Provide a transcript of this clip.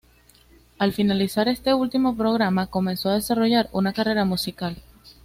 Al finalizar este último programa, comenzó a desarrollar una carrera musical.